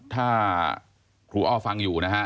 ถ้าครูอ้อฟังอยู่นะฮะ